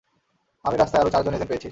আমি রাস্তায় আরও চারজন এজেন্ট পেয়েছি।